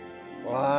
ああ！